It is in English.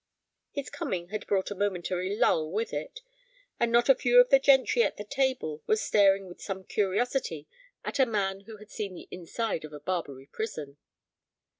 His coming had brought a momentary lull with it, and not a few of the gentry at the table were staring with some curiosity at a man who had seen the inside of a Barbary prison.